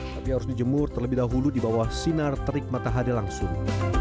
tapi harus dijemur terlebih dahulu di bawah sinar terik matahari langsung